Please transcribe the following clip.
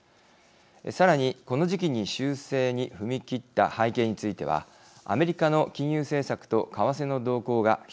さらにこの時期に修正に踏み切った背景についてはアメリカの金融政策と為替の動向が一つ考えられます。